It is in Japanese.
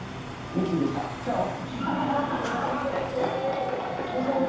ミッチーでした、チャオ！